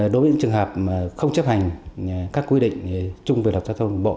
đối với những trường hợp không chấp hành các quy định chung với lập trạng thông bộ